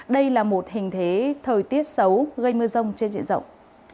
đây là một hình thế thời tiết xấu gây mưa rông trên diện rộng